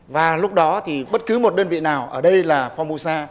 và lúc đó thì bất cứ một đơn vị nào ở đây là phong mô sa